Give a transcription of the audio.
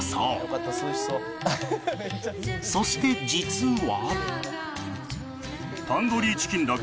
そして実は